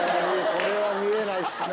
これは見れないっすね。